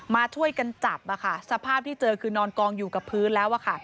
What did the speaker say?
มาช่วยกันจับสภาพที่เจอคือนอนกองอยู่กับพื้นแล้ว